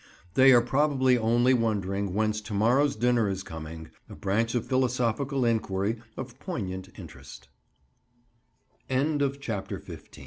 They are probably only wondering whence to morrow's dinner is coming, a branch of philosophical inquiry of poignant inter